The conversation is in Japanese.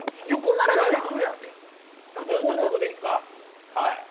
そこでいいか。